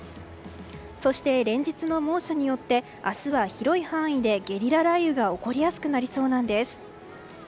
そして、連日の猛暑によって明日は広い範囲でゲリラ雷雨が起こりやすくなりそうなんです。